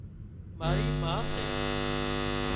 ماري ما سي